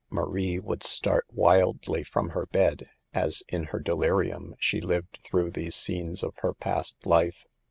Marie would start wildly from her bed, as, in her delirium, she lived through these scenes of her past life.